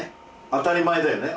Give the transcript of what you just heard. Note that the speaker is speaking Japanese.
当たり前だよね